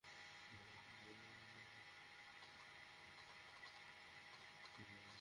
ডাল এবং শজনে দুটোই ভালো ভাবে সেদ্ধ হবে কিন্তু ভাঙবে না।